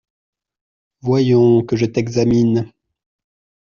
Voyons, que je t’examine…